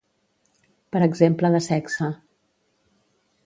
Per exemple de sexe.